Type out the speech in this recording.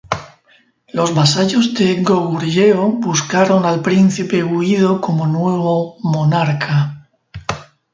Los vasallos de Goguryeo buscaron al príncipe huido como nuevo monarca.